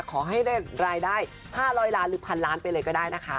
ขอให้ได้รายได้๕๐๐ล้านหรือพันล้านไปเลยก็ได้นะคะ